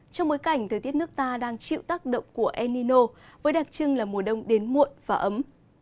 trong bối cảnh thời tiết nước ta đang chịu tác động của el nino với đặc trưng là mùa đông đến muộn và ấm